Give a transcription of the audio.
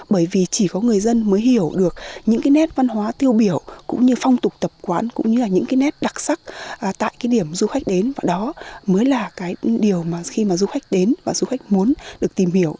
bởi vì chỉ có người dân mới hiểu được những cái nét văn hóa tiêu biểu cũng như phong tục tập quán cũng như là những cái nét đặc sắc tại cái điểm du khách đến và đó mới là cái điều mà khi mà du khách đến và du khách muốn được tìm hiểu